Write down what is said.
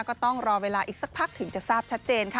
ก็ต้องรอเวลาอีกสักพักถึงจะทราบชัดเจนค่ะ